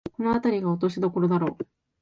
このあたりが落としどころだろう